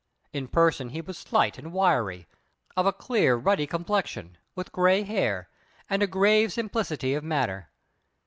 In person he was slight and wiry, of a clear, ruddy complexion, with grey hair, and a grave simplicity of manner.